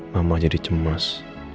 mama jadi cemas